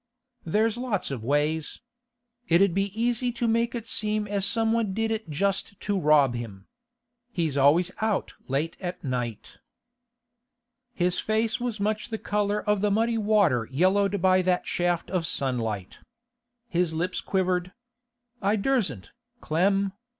'There's lots of ways. It 'ud be easy to make it seem as somebody did it just to rob him. He's always out late at night.' His face was much the colour of the muddy water yellowed by that shaft of sunlight. His lips quivered. 'I dursn't, Clem.